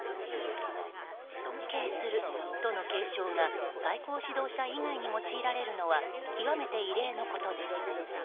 尊敬するとの敬称が最高指導者以外に用いられるのは極めて異例のことです。